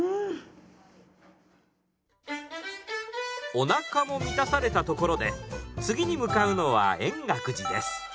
おなかも満たされたところで次に向かうのは円覚寺です。